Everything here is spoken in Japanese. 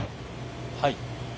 はい。